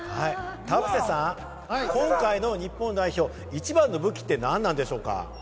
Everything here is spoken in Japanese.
田臥さん、今回の日本代表、一番の武器って何なんでしょうか？